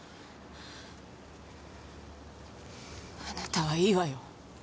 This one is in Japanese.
あなたはいいわよ。